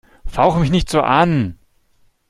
Fauche mich nicht so an!